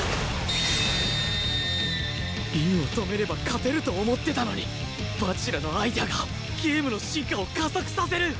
凛を止めれば勝てると思ってたのに蜂楽のアイデアがゲームの進化を加速させる！